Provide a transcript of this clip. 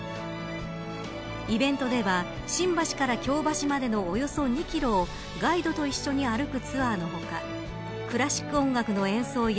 イベントでは新橋から京橋までのおよそ２キロをガイドと一緒に歩くツアーの他クラシック音楽の演奏や